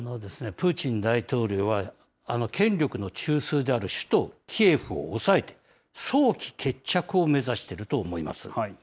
プーチン大統領は、権力の中枢である首都キエフを抑えて、早期決着を目指していると思います。